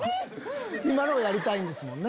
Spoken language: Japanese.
今のをやりたいんですもんね。